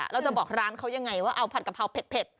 แล้วจะบอกร้านเขายังไงว่าเอาผัดกะเพราเผ็ด